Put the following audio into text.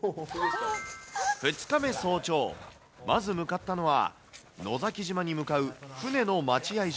２日目早朝、まず向かったのは、野崎島に向かう船の待合所。